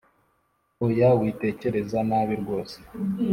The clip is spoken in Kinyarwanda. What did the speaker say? oya witekereza nabi rwose